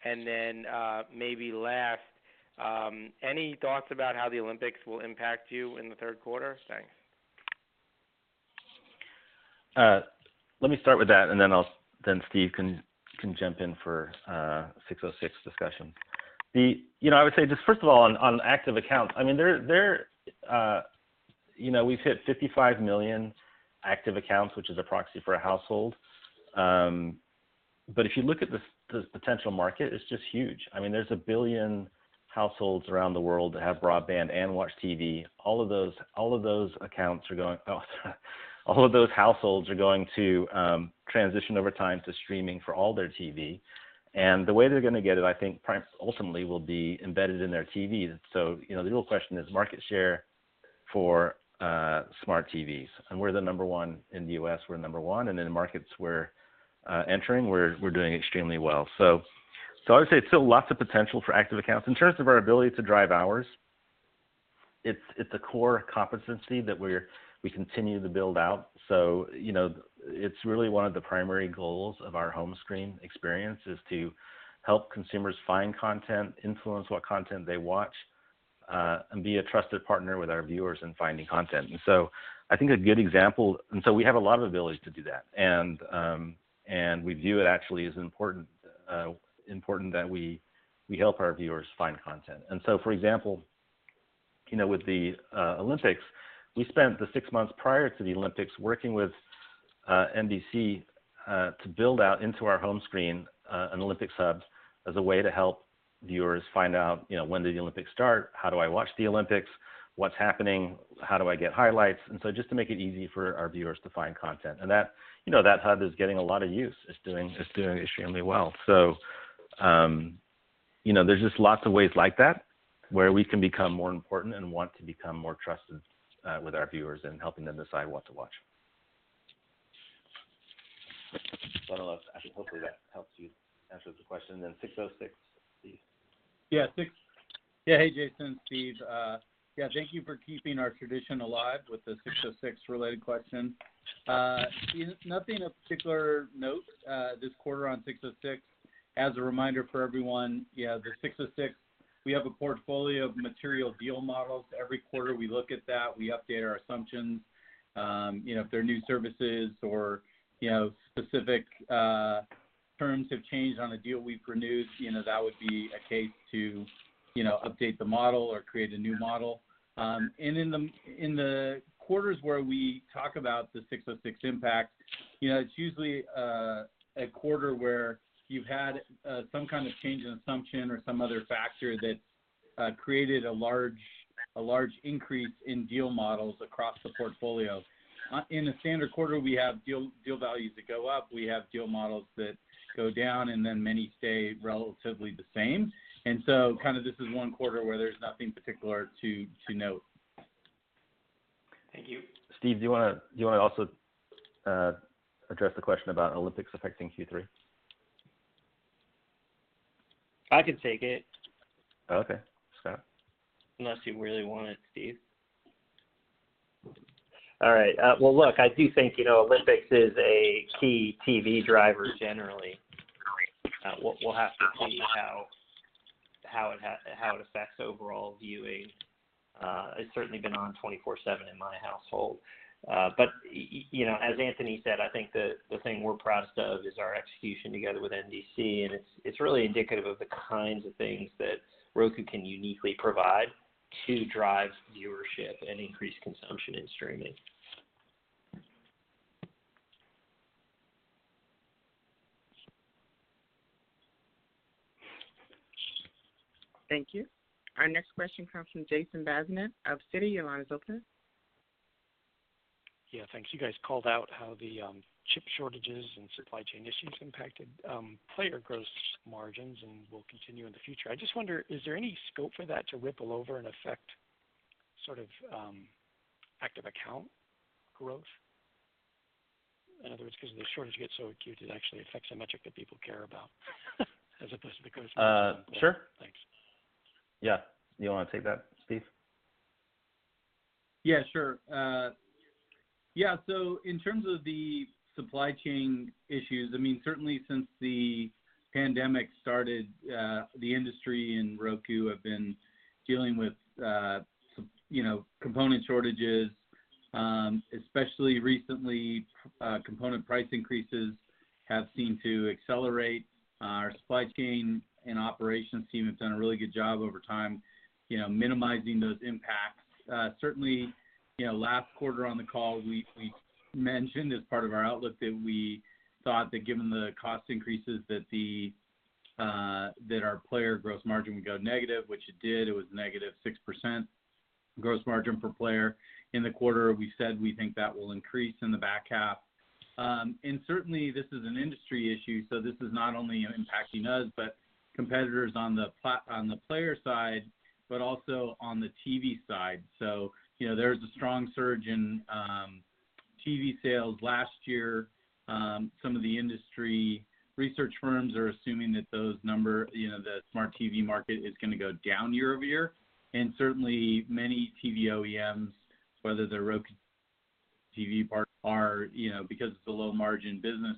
Maybe last, any thoughts about how the Olympics will impact you in the third quarter? Thanks. Let me start with that and then Steve can jump in for 606 discussion. You know, I would say just first of all on active accounts, I mean, they're You know, we've hit 55 million active accounts, which is a proxy for a household. If you look at the potential market, it's just huge. I mean, there's 1 billion households around the world that have broadband and watch TV. All of those households are going to transition over time to streaming for all their TV. The way they're gonna get it, I think ultimately will be embedded in their TVs. You know, the real question is market share for smart TVs, and we're the number one. In the U.S., we're number one. In the markets we're entering, we're doing extremely well. I would say it's still lots of potential for active accounts. In terms of our ability to drive hours, it's a core competency that we continue to build out. You know, it's really one of the primary goals of our home screen experience is to help consumers find content, influence what content they watch, be a trusted partner with our viewers in finding content. I think a good example. We have a lot of ability to do that. We view it actually as important that we help our viewers find content. For example. You know, with the Olympics, we spent the six months prior to the Olympics working with NBC to build out into our home screen an Olympic hub as a way to help viewers find out, you know, when do the Olympics start? How do I watch the Olympics? What's happening? How do I get highlights? Just to make it easy for our viewers to find content. That, you know, that hub is getting a lot of use. It's doing extremely well. You know, there's just lots of ways like that where we can become more important and want to become more trusted with our viewers in helping them decide what to watch. Wonderful. Hopefully that helps you answer the question. 606, Steve. Yeah. six. Yeah. Hey, Jason. Steve. Yeah, thank you for keeping our tradition alive with the 606 related question. Nothing of particular note this quarter on 606. As a reminder for everyone, the 606, we have a portfolio of material deal models. Every quarter we look at that, we update our assumptions. You know, if there are new services or, you know, specific terms have changed on a deal we've renewed, you know, that would be a case to, you know, update the model or create a new model. In the quarters where we talk about the 606 impact, you know, it's usually a quarter where you've had some kind of change in assumption or some other factor that created a large increase in deal models across the portfolio. In a standard quarter, we have deal values that go up, we have deal models that go down, and then many stay relatively the same. This is one quarter where there's nothing particular to note. Thank you. Steve, do you wanna also address the question about Olympics affecting Q3? I can take it. Okay. Scott. Unless you really want it, Steve. All right. Well, look, I do think, you know, Olympics is a key TV driver generally. We'll have to see how it affects overall viewing. It's certainly been on 24/7 in my household. You know, as Anthony said, I think the thing we're proudest of is our execution together with NBC, and it's really indicative of the kinds of things that Roku can uniquely provide to drive viewership and increase consumption and streaming. Thank you. Our next question comes from Jason Bazinet of Citi. Your line is open. Thanks. You guys called out how the chip shortages and supply chain issues impacted player gross margins and will continue in the future. I just wonder, is there any scope for that to ripple over and affect sort of active account growth? In other words, could the shortage get so acute it actually affects a metric that people care about as opposed to gross margin? Sure. Thanks. Yeah. You wanna take that, Steve? Yeah, sure. In terms of the supply chain issues, I mean, certainly since the pandemic started, the industry and Roku have been dealing with some, you know, component shortages. Especially recently, component price increases have seemed to accelerate. Our supply chain and operations team have done a really good job over time, you know, minimizing those impacts. Certainly, you know, last quarter on the call we mentioned as part of our outlook that we thought that given the cost increases that our player gross margin would go negative, which it did. It was -6% gross margin per player in the quarter. We said we think that will increase in the back half. And certainly this is an industry issue, this is not only impacting us, but competitors on the player side, but also on the TV side. You know, there was a strong surge in TV sales last year. Some of the industry research firms are assuming that those number, you know, the smart TV market is gonna go down year over year. Certainly many TV OEMs, whether they're Roku TV, are, you know, because it's a low margin business,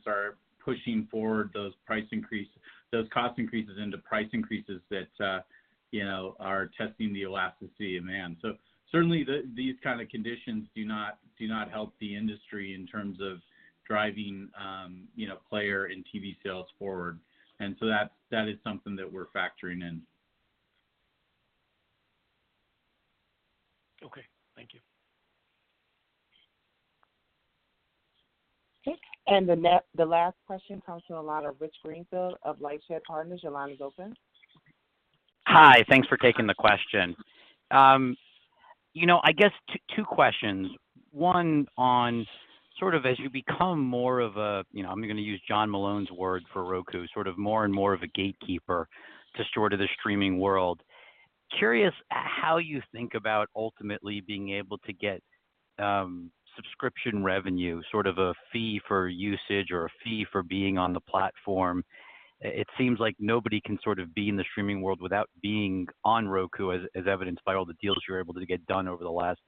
are pushing forward those price increase, those cost increases into price increases that, you know, are testing the elasticity demand. Certainly these kind of conditions do not help the industry in terms of driving, you know, player and TV sales forward. That is something that we're factoring in. Okay. Thank you. Okay. The last question comes from the line of Rich Greenfield of LightShed Partners. Your line is open. Hi. Thanks for taking the question. You know, I guess two questions. One on sort of as you become more of a, you know, I'm gonna use John Malone's word for Roku, sort of more and more of a gatekeeper to sort of the streaming world. Curious how you think about ultimately being able to get subscription revenue, sort of a fee for usage or a fee for being on the platform. It seems like nobody can sort of be in the streaming world without being on Roku, as evidenced by all the deals you were able to get done over the last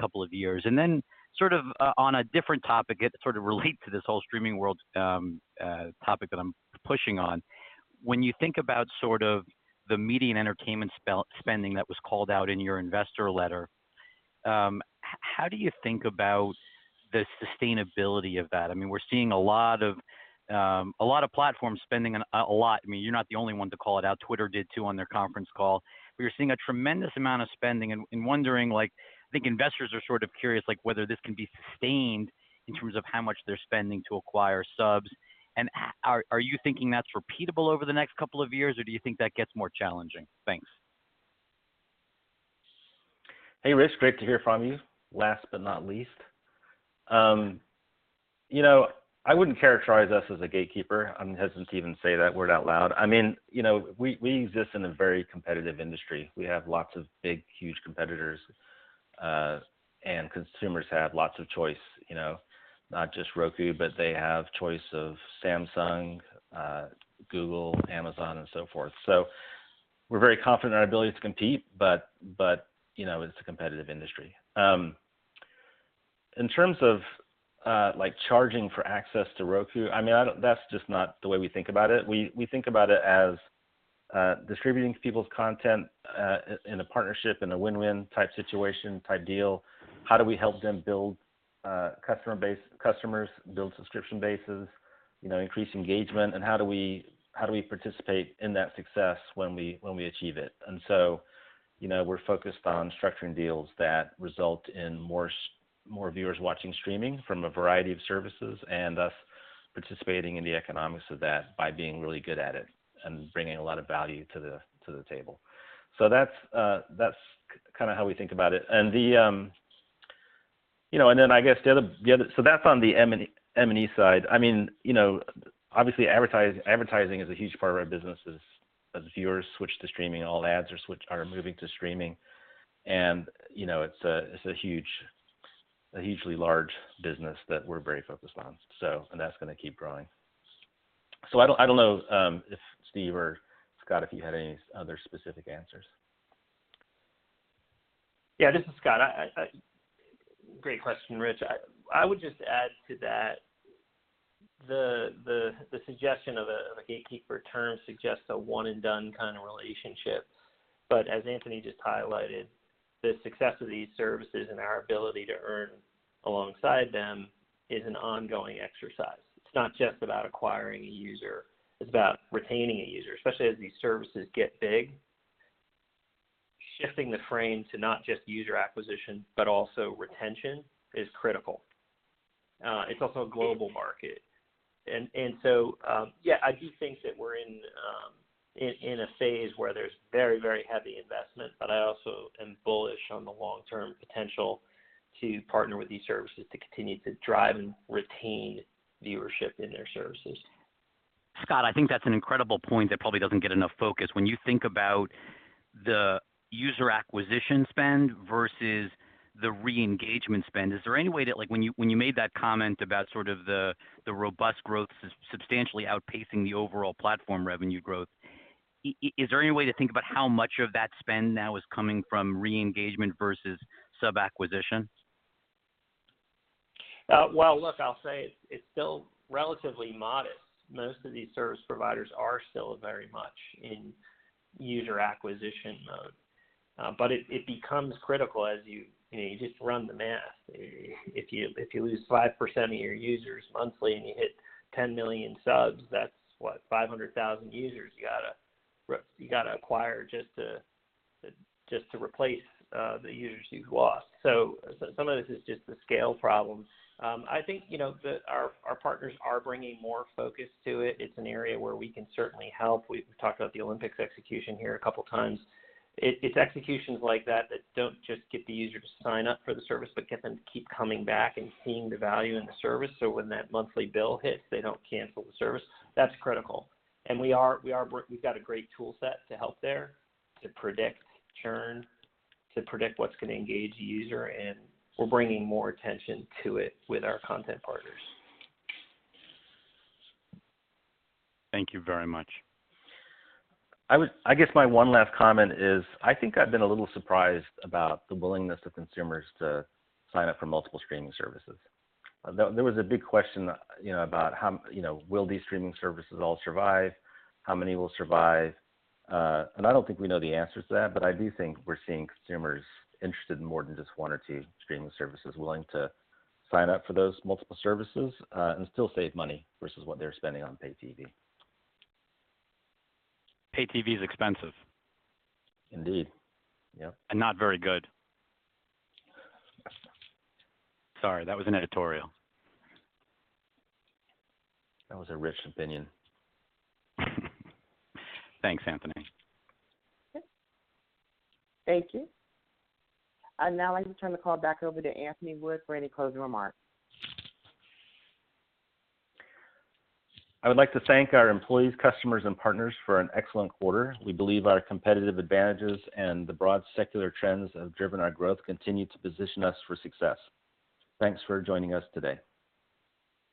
couple of years. Then sort of on a different topic, it sort of relate to this whole streaming world topic that I'm pushing on. When you think about sort of the media and entertainment spending that was called out in your investor letter. How do you think about the sustainability of that? I mean, we're seeing a lot of, a lot of platforms spending a lot. I mean, you're not the only one to call it out. Twitter did too on their conference call. We are seeing a tremendous amount of spending and wondering like, I think investors are sort of curious like whether this can be sustained in terms of how much they're spending to acquire subs. Are you thinking that's repeatable over the next couple of years, or do you think that gets more challenging? Thanks. Hey, Rich. Great to hear from you. Last but not least. You know, I wouldn't characterize us as a gatekeeper. I'm hesitant to even say that word out loud. I mean, you know, we exist in a very competitive industry. We have lots of big, huge competitors. Consumers have lots of choice, you know? Not just Roku, but they have choice of Samsung, Google, Amazon and so forth. We're very confident in our ability to compete, but, you know, it's a competitive industry. In terms of, like charging for access to Roku, I mean, I don't That's just not the way we think about it. We think about it as distributing people's content in a partnership, in a win-win type situation type deal. How do we help them build customer base, customers, build subscription bases, you know, increase engagement? How do we participate in that success when we achieve it? You know, we're focused on structuring deals that result in more viewers watching streaming from a variety of services, and us participating in the economics of that by being really good at it and bringing a lot of value to the table. That's kind of how we think about it. You know, I guess the other, that's on the M&E side. I mean, you know, obviously advertising is a huge part of our business as viewers switch to streaming, all ads are moving to streaming and, you know, it's a huge, a hugely large business that we're very focused on. That's gonna keep growing. I don't, I don't know if Steve or Scott, if you had any other specific answers. Yeah, this is Scott. Great question, Rich. I would just add to that the suggestion of a gatekeeper term suggests a one and done kind of relationship. As Anthony just highlighted, the success of these services and our ability to earn alongside them is an ongoing exercise. It's not just about acquiring a user, it's about retaining a user, especially as these services get big. Shifting the frame to not just user acquisition, but also retention is critical. It's also a global market. Yeah, I do think that we're in a phase where there's very heavy investment, but I also am bullish on the long-term potential to partner with these services to continue to drive and retain viewership in their services. Scott, I think that's an incredible point that probably doesn't get enough focus. When you think about the user acquisition spend versus the re-engagement spend, is there any way that like when you made that comment about sort of the robust growth substantially outpacing the overall platform revenue growth, is there any way to think about how much of that spend now is coming from re-engagement versus sub-acquisition? Well, look, I'll say it's still relatively modest. Most of these service providers are still very much in user acquisition mode. But it becomes critical as you know, you just run the math. If you lose 5% of your users monthly and you hit 10 million subs, that's what? 500,000 users you gotta acquire just to replace the users you've lost. Some of this is just the scale problems. I think, you know, our partners are bringing more focus to it. It's an area where we can certainly help. We've talked about the Olympics execution here a couple times. It's executions like that that don't just get the user to sign up for the service, but get them to keep coming back and seeing the value in the service, so when that monthly bill hits, they don't cancel the service. That's critical. We've got a great tool set to help there to predict churn, to predict what's going to engage a user, and we're bringing more attention to it with our content partners. Thank you very much. I guess my one last comment is I think I've been a little surprised about the willingness of consumers to sign up for multiple streaming services. There was a big question, you know, about how, you know, will these streaming services all survive? How many will survive? I don't think we know the answers to that, but I do think we're seeing consumers interested in more than just one or two streaming services, willing to sign up for those multiple services, still save money versus what they're spending on pay TV. Pay TV is expensive. Indeed. Yeah. Not very good. Sorry, that was an editorial. That was a Rich opinion. Thanks, Anthony. Thank you. I'd now like to turn the call back over to Anthony Wood for any closing remarks. I would like to thank our employees, customers, and partners for an excellent quarter. We believe our competitive advantages and the broad secular trends that have driven our growth continue to position us for success. Thanks for joining us today.